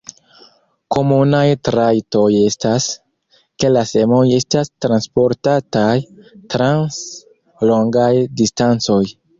Komunaj trajtoj estas, ke la semoj estas transportataj trans longaj distancoj.